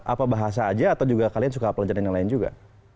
apa bahasa aja atau juga kalian suka pelajaran yang lain juga